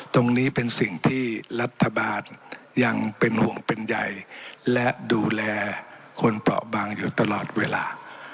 ตรงนี้เป็นสิ่งที่รัฐบาลยังเป็นห่วงเป็นใยและดูแลคนเปราะบางอยู่ตลอดเวลา